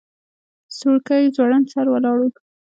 سورکی ځوړند سر ولاړ و.